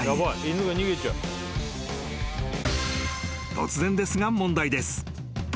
［突然ですが問題です］